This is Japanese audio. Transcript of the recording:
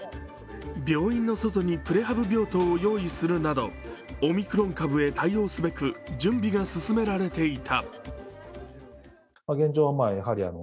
病院の外にプレハブ病棟を用意するなどオミクロン株へ対応すべく準備が勧められていた。